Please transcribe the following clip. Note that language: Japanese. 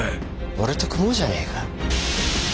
俺と組もうじゃねえか。